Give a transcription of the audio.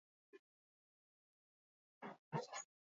Antzerkia, telebista, irratia eta zinema egin duzu.